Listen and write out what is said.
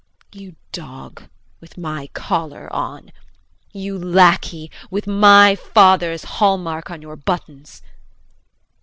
You dog with my collar on, you lackey with my father's hallmark on your buttons.